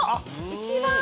一番。